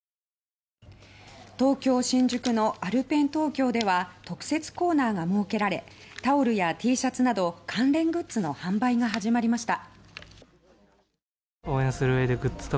東京・新宿のアルペントーキョーでは特設コーナーが設けられタオルやＴシャツなど関連グッズの販売が始まりました。